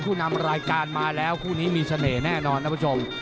นำรายการมาแล้วคู่นี้มีเสน่ห์แน่นอนท่านผู้ชม